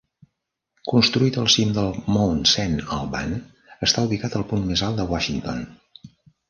Construït al cim del Mount Saint Alban, està ubicat al punt més alt de Washington.